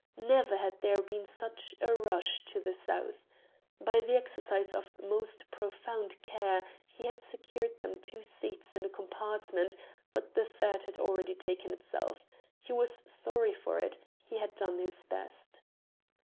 Never had there been such a rush to the South. By the exercise of most profound care he had secured them two seats in a compartment, but the third had already taken itself. He was sorry for it; he had done his best.